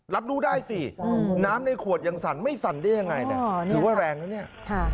รับรู้ได้สิน้ำในขวดยังสั่นไม่สั่นได้ยังไงเนี่ยถือว่าแรงนะเนี่ย